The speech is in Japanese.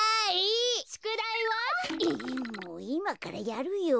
いまからやるよ。